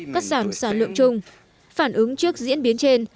cắt giảm sản lượng chung phản ứng trước diễn biến trên